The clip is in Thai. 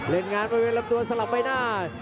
เล่นงานมาเป็นยังไหวรับตัวสลับไปหน้า